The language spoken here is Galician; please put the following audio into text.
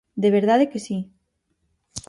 ¡De verdade que si!